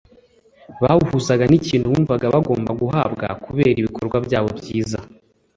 bawuhuzaga n’ikintu bumvaga bagomba guhabwa kubera ibikorwa byabo byiza